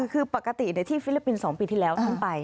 คือปกติที่ฟิลิปปินส์๒ปีที่แล้วท่านไป